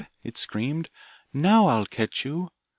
it screamed; 'now I'll catch you.